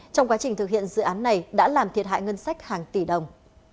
trong quá trình thực hiện dự án này đã làm thiệt hại ngân sách hàng tỷ đồng